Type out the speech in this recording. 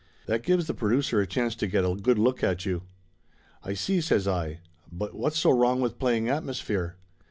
That gives the pro ducer a chance to get a good look at you." "I see!" says I. "But what's so wrong with play ing atmosphere